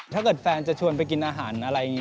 ถ้าเกิดแฟนจะชวนไปกินอาหารอะไรอย่างนี้